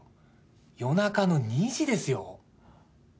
夜中の２時ですよ？